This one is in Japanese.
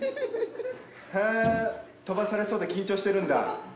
「へえ飛ばされそうで緊張してるんだ」。